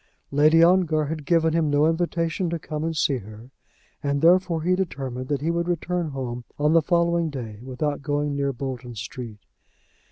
Lady Ongar had given him no invitation to come and see her, and therefore he determined that he would return home on the following day without going near Bolton Street.